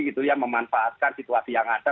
gitu ya memanfaatkan situasi yang ada